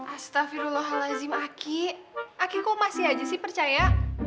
astagfirullahaladzim aki aki kok masih aja sih percaya